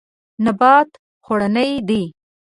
نبات خوړنی دی.